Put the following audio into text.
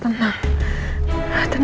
tenang yelza tenang